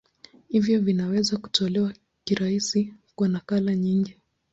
Hivyo vinaweza kutolewa kirahisi kwa nakala nyingi.